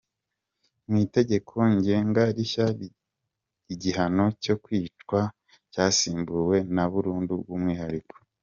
Mu Itegeko Ngenga rishya igihano cyo kwicwa cyasimbuwe na burundu bw’umwihariko